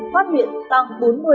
phát hiện tăng bốn mươi chín mươi bảy